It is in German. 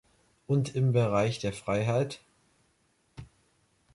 Und im Bereich der Freiheit?